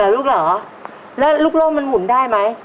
ลูกเหรอแล้วลูกโล่งมันหมุนได้ไหม